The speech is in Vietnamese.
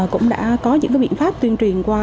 cũng đã có những biện pháp tuyên truyền qua